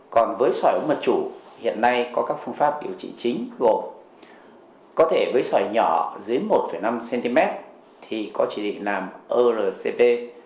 còn với sỏi ống mật chủ hiện nay có các phương pháp điều trị chính gồm có thể với sỏi nhỏ dưới một năm cm thì có chỉ định làm urcp